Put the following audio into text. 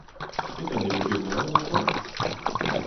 Petra nevez ganeoc'h neuze ?